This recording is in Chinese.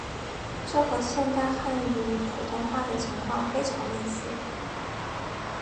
这和现代汉语普通话的情况非常类似。